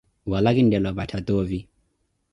Wala khintela omphattha tovi?